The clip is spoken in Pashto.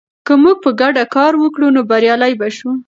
که موږ په ګډه کار وکړو، نو بریالي به شو.